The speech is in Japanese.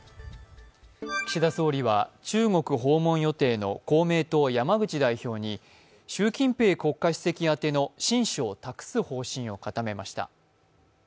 岸田総理は中国訪問予定の公明党・山口代表に習近平国家主席あての親書を託す方針を固めました。